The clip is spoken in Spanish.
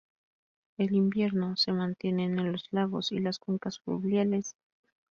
En invierno se mantienen en los lagos y las cuencas fluviales inundadas.